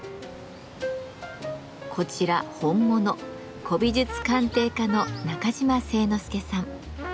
こちら本物古美術鑑定家の中島誠之助さん。